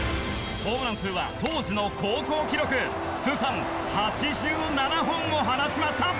ホームラン数は当時の高校記録通算８７本も放ちました！